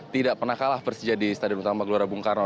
tidak pernah kalah persija di stadion utama gelora bung karno